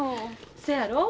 そやろ？